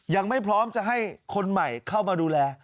ยังไม่พร้อมจะให้คนใหม่เข้ามาดูแล